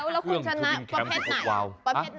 แล้วคุณชนะประเภทไหน